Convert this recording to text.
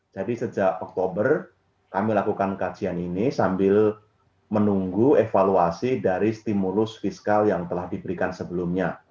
jadi sejak oktober kami lakukan kajian ini sambil menunggu evaluasi dari stimulus fiskal yang telah diberikan sebelumnya